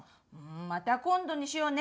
また今度にしようね！